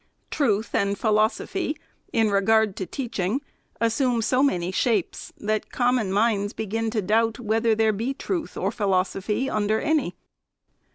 Truth and philosophy, in re gard to teaching, assume so many shapes, that common minds begin to doubt whether there be truth or philoso phy under any.